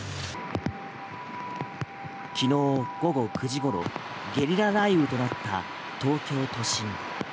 昨日午後９時ごろゲリラ雷雨となった東京都心。